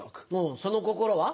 その心は？